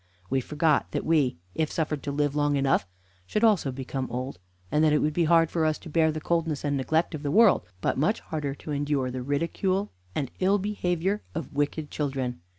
We forgot that we, if suffered to live long enough, should also become old, and that it would be hard for us to bear the coldness and neglect of the world, but much harder to endure the ridicule and ill behavior of wicked children.